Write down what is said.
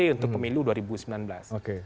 pertama itu adalah keputusan yang dipercaya oleh kpu